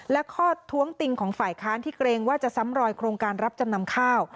และข้อท้วงติงของฝ่ายค้านที่เกรงว่าจะซ้ำรอยโครงการรับจำนำข้าว